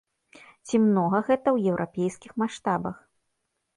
Ці многа гэта ў еўрапейскіх маштабах?